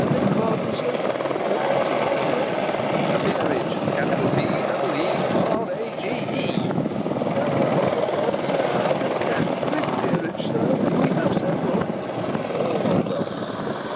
"I beg pardon, sir. A glass of water and " "A peerage. P double e, r, a, g, e." "I beg your pardon, sir. I didn't catch. Which peerage, sir? We have several." "All of them."